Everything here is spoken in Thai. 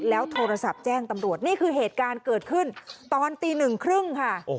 แล้วโทรศัพท์แจ้งตำรวจนี่คือเหตุการณ์เกิดขึ้นตอนตีหนึ่งครึ่งค่ะ